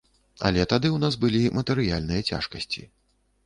Але тады ў нас былі матэрыяльныя цяжкасці.